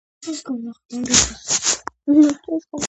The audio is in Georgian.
ლევან დავითაშვილი ფლობს ინგლისურ, რუსულ, იტალიურ ენებს.